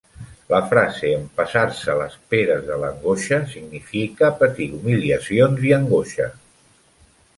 La frase "empassar-se les peres de l'angoixa" significa patir humiliacions i angoixa.